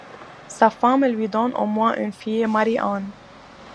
Sa femme lui donne au moins une fille, Marie-Anne.